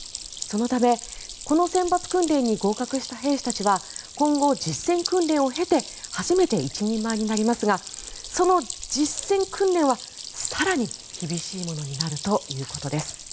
そのため、この選抜訓練に合格した兵士たちは今後、実践訓練を経て初めて一人前になりますがその実践訓練は更に厳しいものになるということです。